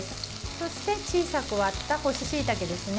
そして、小さく割った干ししいたけですね。